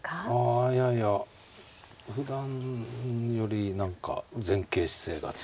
あいやいやふだんより何か前傾姿勢が強いなあと。